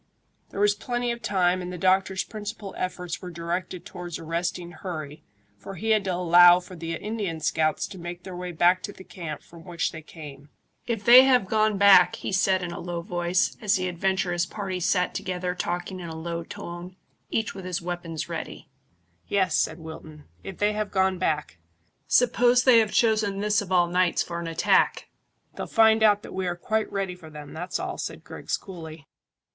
There was plenty of time, and the doctor's principal efforts were directed towards arresting hurry, for he had to allow for the Indian scouts to make their way back to the camp from which they came. "If they have gone back," he said, in a low voice, as the adventurous party sat together talking in a low tone, each with his weapons ready. "Yes," said Wilton, "if they have gone back. Suppose they have chosen this of all nights for an attack!" "They'll find that we are quite ready for them; that's all," said Griggs coolly.